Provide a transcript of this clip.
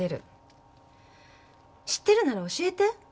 知ってるなら教えて。